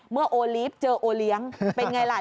เมื่อโอลีฟเจอโอเลี้ยงเป็นอย่างไรล่ะ